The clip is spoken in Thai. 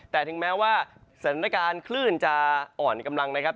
แต่ถึงแม้ว่าสถานการณ์คลื่นจะอ่อนกำลังนะครับ